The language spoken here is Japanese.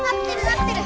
なってる？